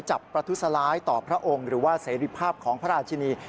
ประทุษร้ายต่อพระองค์หรือว่าเสรีภาพของพระราชินี